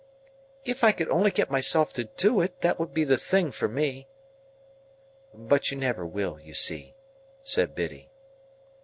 "If I could only get myself to do it, that would be the thing for me." "But you never will, you see," said Biddy.